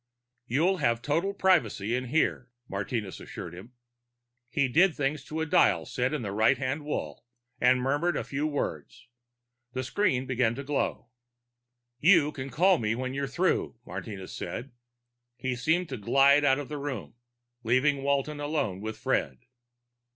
"You'll have total privacy in here," Martinez assured him. He did things to a dial set in the right hand wall, and murmured a few words. The screen began to glow. "You can call me when you're through," Martinez said. He seemed to glide out of the room, leaving Walton alone with Fred.